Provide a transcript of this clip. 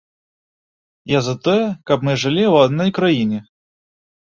Я за тое, каб мы жылі ў адной краіне.